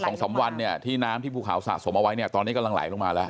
สองสามวันเนี่ยที่น้ำที่ภูเขาสะสมเอาไว้เนี่ยตอนนี้กำลังไหลลงมาแล้ว